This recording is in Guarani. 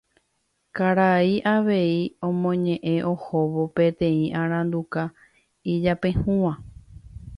Karai avei omoñeʼẽ ohóvo peteĩ aranduka ijapehũva.